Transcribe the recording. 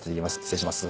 失礼します。